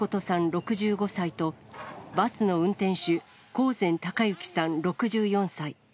６５歳と、バスの運転手、興膳孝幸さん６４歳。